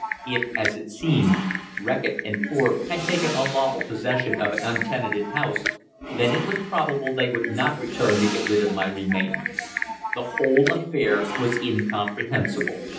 If, as it seemed, Reckitt and Forbes had taken unlawful possession of an untenanted house, then it was probable they would not return to get rid of my remains. The whole affair was incomprehensible.